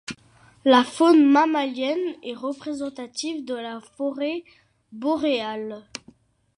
La faune mammalienne est représentative de la forêt boréale.